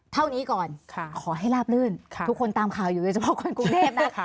เท่านี้ก่อนขอให้ลาบลื่นทุกคนตามข่าวอยู่โดยเฉพาะคนกรุงเทพนะ